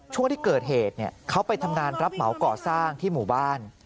ช่วงที่เกิดเหตุเขาไปทำงานรับเหมาก่อสร้างที่หมู่บ้าน